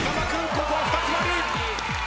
ここは２つ割り！